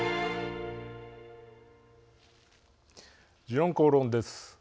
「時論公論」です。